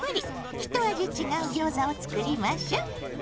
一味違うギョーザを作りましょ。